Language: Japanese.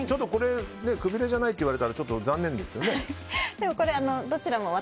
くびれじゃないって言われたらちょっと残念ですよね。